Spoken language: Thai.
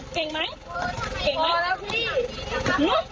เก่งไหม